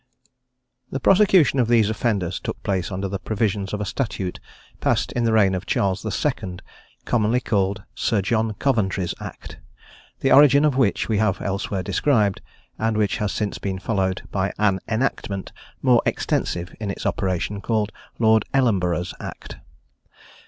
The prosecution of these offenders took place under the provisions of a statute, passed in the reign of Charles the Second, commonly called "Sir John Coventry's Act," the origin of which we have elsewhere described, and which has since been followed by an enactment, more extensive in its operation, called "Lord Ellenborough's Act."